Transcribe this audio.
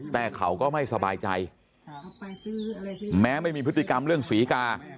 แต่เขาก็ไม่สบายใจแม้ไม่มีพฤติกรรมเรื่องศรีกา